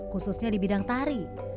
khususnya di bidang tari